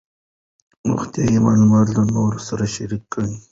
روغتیایي معلومات له نورو سره شریک کړئ.